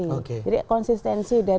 jadi konsistensi dari skemanya seperti apa